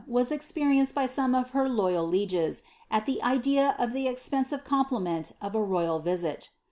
* ex perienced by some of her loyal heges, ai the idea of the expensive com pliment of a royal visit.